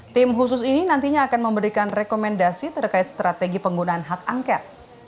tim khusus ini nantinya akan memberikan rekomendasi terkait strategi penggunaan hak angket